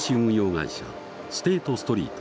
会社ステート・ストリート。